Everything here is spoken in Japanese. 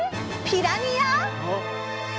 ピラニア？